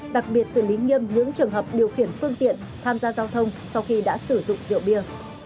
đặc biệt xử lý nghiêm những trường hợp điều khiển phương tiện tham gia giao thông sau khi đã sử dụng rượu bia